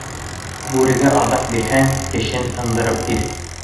Бүрегә аҙыҡ бирһәң, тешен һындырып бир.